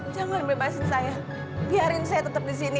jangan bebasin saya biarin saya tetap di sini